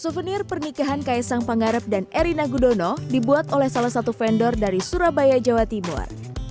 souvenir pernikahan kaisang pangarep dan erina gudono dibuat oleh salah satu vendor dari surabaya jawa timur